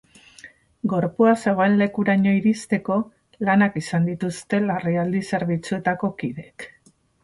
Gorpua zegoen lekuraino iristeko lanak izan dituzte larrialdi zerbitzuetako kideek.